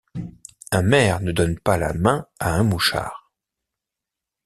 Un maire ne donne pas la main à un mouchard.